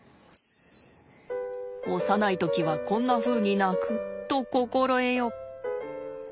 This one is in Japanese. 幼い時はこんなふうに鳴くと心得よ。